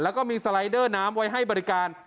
แล้วก็มีสไลเดอร์น้ำไว้ให้บริการ